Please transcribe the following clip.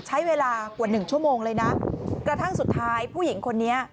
ใช้เวลากว่าหนึ่งชั่วโมงเลยนะกระทั่งสุดท้ายผู้หญิงคนนี้